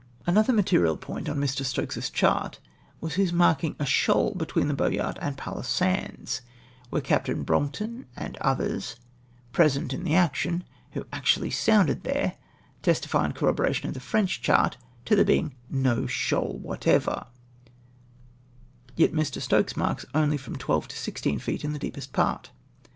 Another material point on Mr. Stokes's chart was his marldng a shoal between the Boyart and the Palles Sands, where Capt. Broughton and others present in the action, who actually sounded there, testify in corroboi'a tion of the French chart to there being 710 shoal ivhat ever* Yet Mr. Stokes marks only from twelve to sixteen feet, in the deepest part.